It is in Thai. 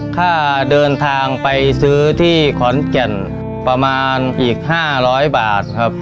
ค่าเดินทางไปซื้อที่ขอนแก่นประมาณอีก๕๐๐บาทครับ